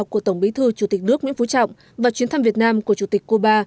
của tổng bí thư chủ tịch nước nguyễn phú trọng và chuyến thăm việt nam của chủ tịch cuba